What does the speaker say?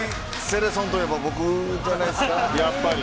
セレソンといえば僕じゃないですか、やっぱり。